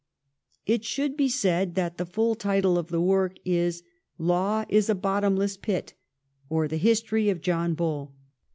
It should be said that the fuU title of the work is ' Law is a Bottomless Pit ; or, the History of John Bull.'